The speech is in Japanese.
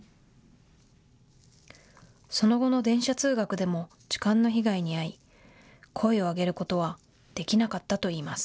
その後の電車通学でも痴漢の被害に遭い声を上げることはできなかったといいます。